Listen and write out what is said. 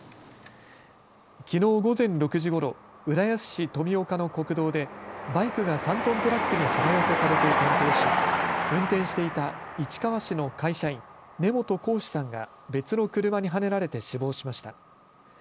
きのう午前６時ごろ、浦安市富岡の国道でバイクが３トントラックに幅寄せされて転倒し、運転していた市川市の会社員、根本光士さんが別の車にはねられて死亡しました。